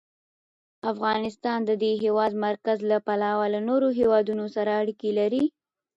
افغانستان د د هېواد مرکز له پلوه له نورو هېوادونو سره اړیکې لري.